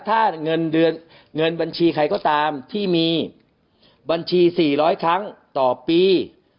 ถ้าเงินเดือนเงินบัญชีใครก็ตามที่มีบัญชี๔๐๐ครั้งต่อปี